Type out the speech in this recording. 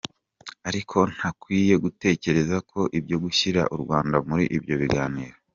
Ariko ntakwiye gutekereza ibyo gushyira u Rwanda muri ibyo biganiro.”